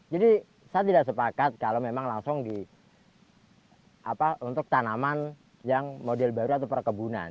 jadi saya tidak sepakat kalau memang langsung untuk tanaman yang model baru atau perkebunan